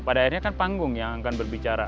pada akhirnya kan panggung yang akan berbicara